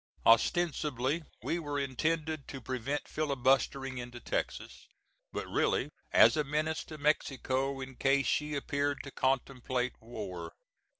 Ostensibly we were intended to prevent filibustering into Texas, but really as a menace to Mexico in case she appeared to contemplate war.